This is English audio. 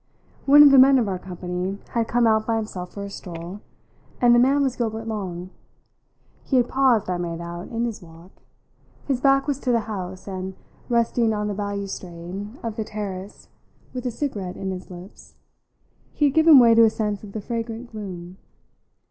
One of the men of our company had come out by himself for a stroll, and the man was Gilbert Long. He had paused, I made out, in his walk; his back was to the house, and, resting on the balustrade of the terrace with a cigarette in his lips, he had given way to a sense of the fragrant gloom.